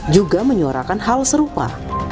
juga menyuarakan hal serupa